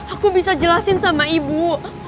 aku bisa jelasin sama ibu